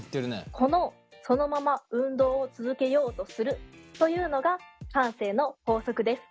このそのまま運動を続けようとするというのが慣性の法則です。